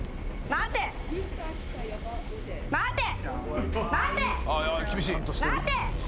待て。